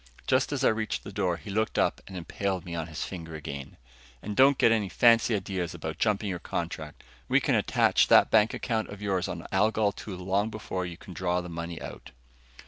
Just as I reached the door, he looked up and impaled me on his finger again. "And don't get any fancy ideas about jumping your contract. We can attach that bank account of yours on Algol II long before you could draw the money out."